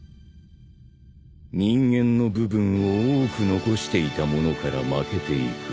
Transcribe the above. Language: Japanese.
人間の部分を多く残していた者から負けていく。